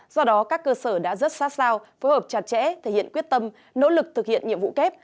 do đó các cơ sở đã rất sát sao phối hợp chặt chẽ thể hiện quyết tâm nỗ lực thực hiện nhiệm vụ kép